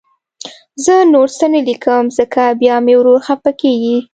زه نور څه نه لیکم، ځکه بیا مې ورور خفه کېږي